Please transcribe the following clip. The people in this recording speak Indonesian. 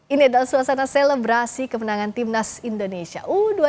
ini adalah suasana selebrasi kemenangan timnas indonesia u dua puluh dua